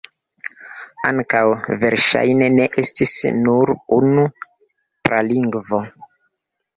Ankaŭ verŝajne ne estis nur unu pralingvo.